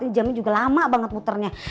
ini jamnya juga lama banget puternya